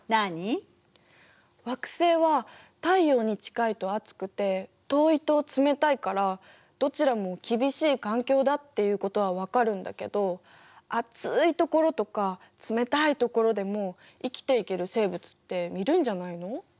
惑星は太陽に近いと熱くて遠いと冷たいからどちらも厳しい環境だっていうことは分かるんだけど熱いところとか冷たいところでも生きていける生物っているんじゃないの？